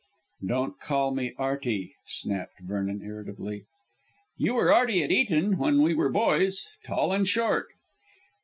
"Don't call me Arty!" snapped Vernon irritably. "You were Arty at Eton, when we were boys, tall and short."